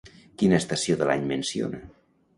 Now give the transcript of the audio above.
Quina estació de l'any menciona?